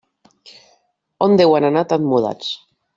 On deuen anar tan mudats.